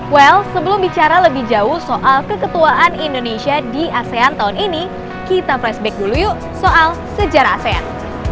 well sebelum bicara lebih jauh soal keketuaan indonesia di asean tahun ini kita flashback dulu yuk soal sejarah asean